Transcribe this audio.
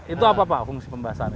itu apa pak fungsi pembahasan